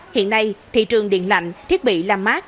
hiện nay thị trường điện lạnh thiết bị làm mát